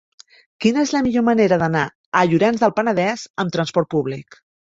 Quina és la millor manera d'anar a Llorenç del Penedès amb trasport públic?